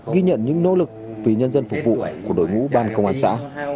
ghi nhận những nỗ lực vì nhân dân phục vụ của đội ngũ ban công an xã